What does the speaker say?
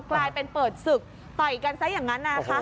กลายเป็นเปิดศึกต่อยกันซะอย่างนั้นนะคะ